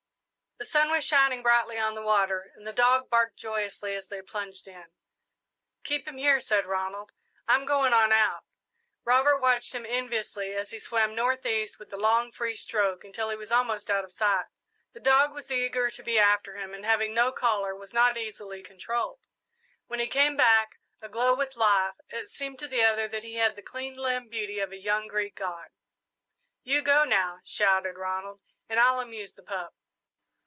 The sun was shining brightly on the water, and the dog barked joyously as they plunged in. "Keep him here," said Ronald, "I'm going on out." Robert watched him enviously as he swam north east with a long, free stroke, until he was almost out of sight. The dog was eager to be after him, and, having no collar, was not easily controlled. When he came back, aglow with life, it seemed to the other that he had the clean limbed beauty of a young Greek god. "You go now," shouted Ronald, "and I'll amuse the pup."